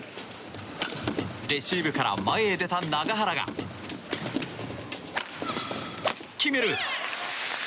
レシーブから前へ出た永原が、決める！